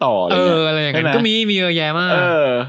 อะไรอย่างนี้ก็มีมีเยอะแยะมาก